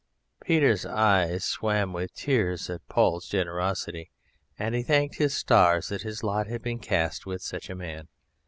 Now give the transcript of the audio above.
Peter's eyes swam with tears at Paul's generosity, and he thanked his stars that his lot had been cast with such a man.